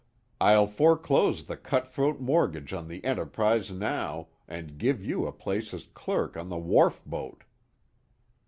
I'll foreclose the cut throat mortgage on the Enterprise now, and give you a place as clerk on the wharf boat."